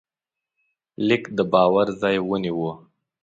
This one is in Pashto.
لیک د باور ځای ونیو.